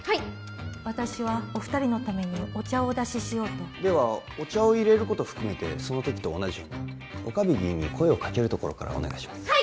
私はお二人のためにお茶をお出ししようとではお茶をいれること含めてその時と同じように岡部議員に声をかけるところからお願いしますはい！